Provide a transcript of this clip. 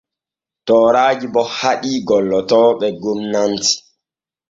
Tooraaji bo haɗii gollotooɓe gomnati.